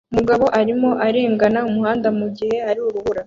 Umugabo arimo arengana umuhanda mugihe hari urubura